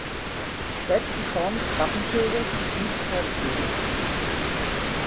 Selbst die Form des Wappenschildes ist nicht vorgegeben.